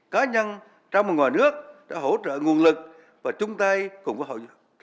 cá nhân trong và ngoài nước đã hỗ trợ nguồn lực và chung tay cùng với hội chữ thập đỏ việt